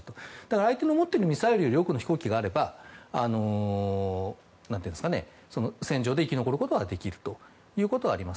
相手のミサイルより多くの飛行機があれば戦場で生き残ることはできるということはあります。